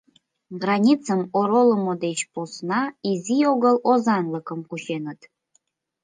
Границым оролымо деч посна изи огыл озанлыкым кученыт.